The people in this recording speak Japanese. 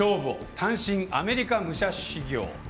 単身アメリカ武者修行。